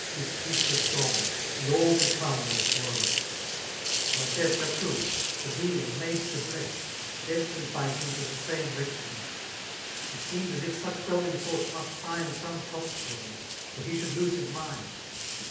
His peace was gone^ and all to come was woe* Francesca too,— the being, made to bless/— Destined by him to the same wretchedness, — It seemed as if such whelming thoughts must find Some props for them, or^he should lose his mind.